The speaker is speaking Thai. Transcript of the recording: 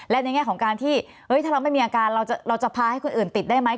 และในแง่ของการที่ถ้าเราไม่มีอาการเราจะพาให้คนอื่นติดได้ไหม